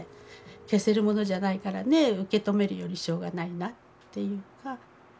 消せるものじゃないからね受け止めるよりしょうがないなっていうか。